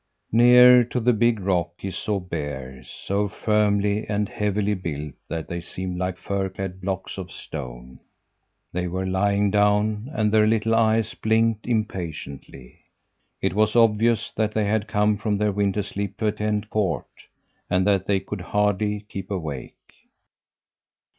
"Near to the big rock he saw bears, so firmly and heavily built that they seemed like fur clad blocks of stone. They were lying down and their little eyes blinked impatiently; it was obvious that they had come from their winter sleep to attend court, and that they could hardly keep awake.